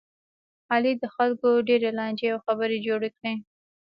علي د خلکو ډېرې لانجې او خبې جوړې کړلې.